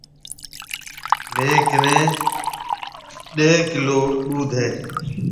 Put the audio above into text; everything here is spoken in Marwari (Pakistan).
ميه ڪنَي ڏيه ڪِيلو ڏوڌ هيَ۔